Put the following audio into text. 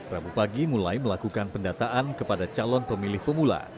rabu pagi mulai melakukan pendataan kepada calon pemilih pemula